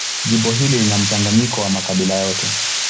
Jimbo hili lina mchanganyiko wa makabila yote.